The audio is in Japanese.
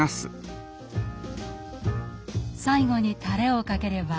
最後にたれをかければ